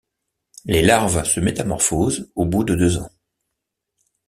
Les larves se métamorphosent au bout de deux ans.